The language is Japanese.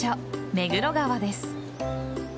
目黒川です。